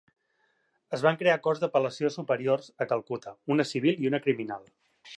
Es van crear corts d'apel·lació superiors a Calcuta, una civil i una criminal.